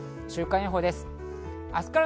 週間予報です。